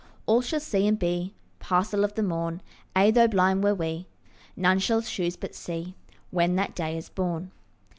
All shall see and be Parcel of the morn; Ay, though blind were we, None shall choose but see When that day is born.